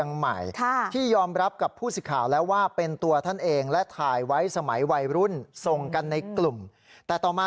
ใช่ครับคุณผู้ชมฮะนี่